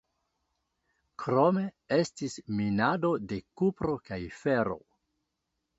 Krome estis minado de kupro kaj fero.